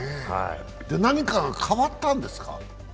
何かが変わったんですか？